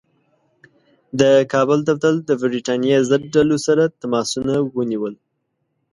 د کابل دفتر د برټانیې ضد ډلو سره تماسونه ونیول.